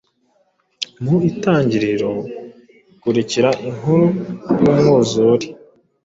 mu Itangiriro ikurikira inkuru yumwuzure